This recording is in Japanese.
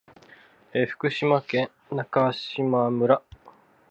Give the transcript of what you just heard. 福島県中島村